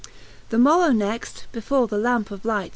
The morrow next, before the lampe of light.